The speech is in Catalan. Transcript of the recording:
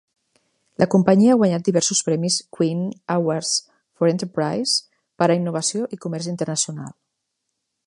La companyia ha guanyat diversos premis Queen's Awards for Enterprise per a innovació i comerç internacional.